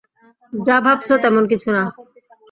যা ভাবছ তেমন কিছু না!